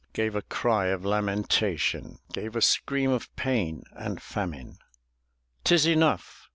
Gave a cry of lamentation. Gave a scream of pain and famine. "Tis enough!